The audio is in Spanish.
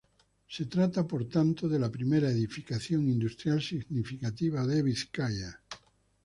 Se trata por lo tanto de la primera edificación industrial significativa de Vizcaya.